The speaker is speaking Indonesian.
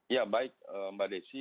ya baik mbak desi